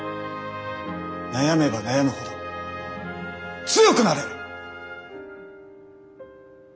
悩めば悩むほど強くなれる！